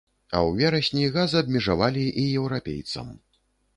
А ў верасні газ абмежавалі і еўрапейцам.